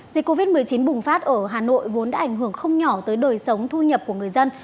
dịch covid một mươi chín bùng phát ở hà nội vốn đã ảnh hưởng không nhỏ tới đời sống thu nhập của người dân